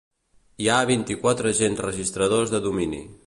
Hi ha vint-i-quatre agents registradors de domini.